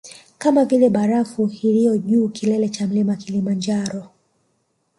Kama vile barafu iliyo juu kilele cha mlima kilimanjaro